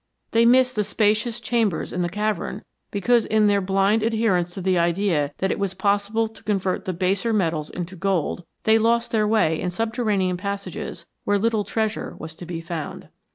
They missed the spacious chambers in the cavern because in their blind adherence to the idea that it was possible to convert the baser metals into gold, they lost their way in subterranean passages where little treasure was to be found.